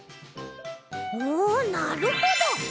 おなるほど！